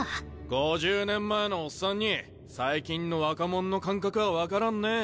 ５０年前のおっさんに最近の若者の感覚は分からんね。